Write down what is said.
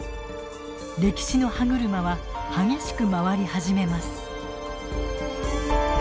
歴史の歯車は激しく回り始めます。